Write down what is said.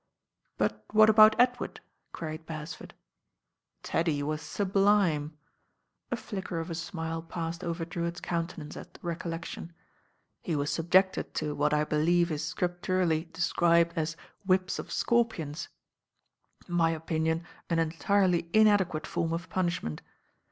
''But what about Edward?" queried Beresford. Teddy was sublime." A Bicker of a smile passed over Drewitt's countenance at the recollection. "He was subjected to what I believe is scripturally de •cnbcd as 'whips of scorpions.' in my opinion an entirely madequate form of punishment.